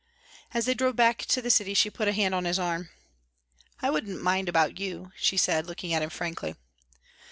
As they drove back to the city she put a hand on his arm. "I wouldn't mind about you," she said, looking at him frankly.